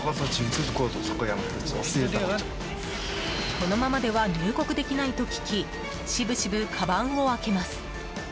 このままでは入国できないと聞きしぶしぶ、かばんを開けます。